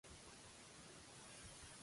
Quin altre nom tenia Nanna?